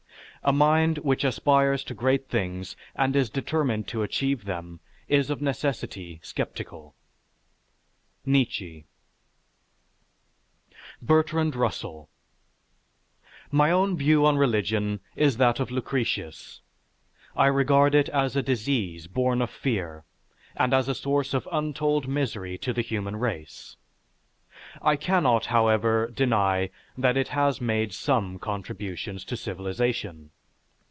A mind which aspires to great things and is determined to achieve them is of necessity skeptical_. NIETZSCHE. BERTRAND RUSSELL My own view on religion is that of Lucretius. I regard it as a disease born of fear and as a source of untold misery to the human race. I cannot, however, deny that it has made some contributions to civilization.